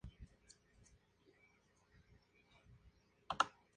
Ejemplo de esta negación de una divinidad creadora puede verse en el sutra Brahmajala-sutra.